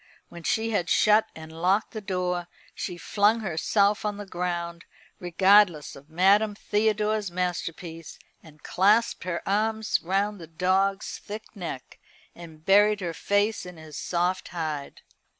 When she had shut and locked the door, she flung herself on the ground, regardless of Madame Theodore's masterpiece, and clasped her arms round the dog's thick neck, and buried her face in his soft hide.